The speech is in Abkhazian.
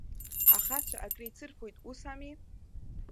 Ахацәа акреицырфоит, ус ами?